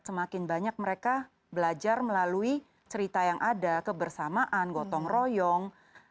semakin banyak mereka belajar melalui cerita yang ada kebersamaan gotong royong